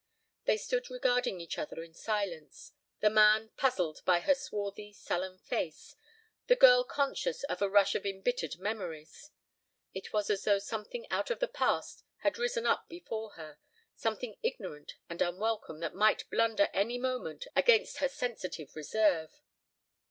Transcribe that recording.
They stood regarding each other in silence, the man puzzled by her swarthy, sullen face, the girl conscious of a rush of embittered memories. It was as though something out of the past had risen up before her, something ignorant and unwelcome that might blunder any moment against her sensitive reserve.